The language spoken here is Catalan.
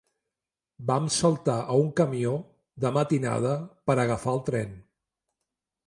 Vam saltar a un camió, de matinada, per agafar el tren